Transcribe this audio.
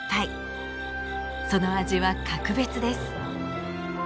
その味は格別です。